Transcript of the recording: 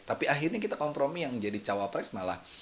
tapi akhirnya kita kompromi yang jadi cawapres malah